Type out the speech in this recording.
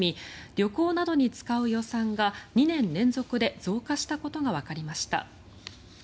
旅行などに使う予算が２年連続で増加したことがわかりました。